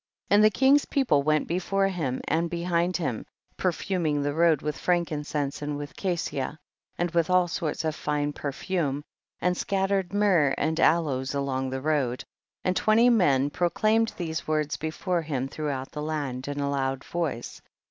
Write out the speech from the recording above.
27. And the king's people went before him and behind him, perfum ing the road with frankincense and with cassia, and with all sorts of fine perfume, and scattered myrrh and aloes along tiie road, and twenty men proclaimed these words before him throughout the land in a loud voice ; 28.